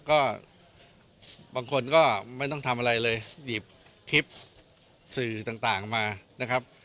ก็บางคนก็ไม่ต้องทำอะไรเลยหยิบคลิปสื่อต่างมานะครับ